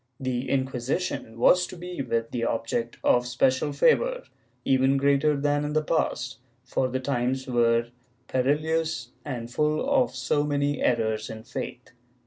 The Inquisition was to be the object of special favor, even greater than in the past, for the times were perilous and full of so many errors in the faith.